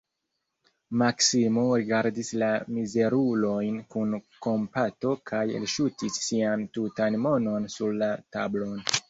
Maksimo rigardis la mizerulojn kun kompato kaj elŝutis sian tutan monon sur la tablon.